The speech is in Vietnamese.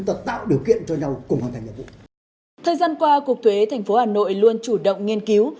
thời gian qua cục thuế thành phố hà nội luôn chủ động nghiên cứu